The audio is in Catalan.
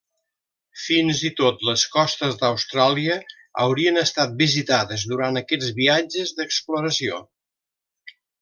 Fins i tot les costes d'Austràlia haurien estat visitades durant aquests viatges d'exploració.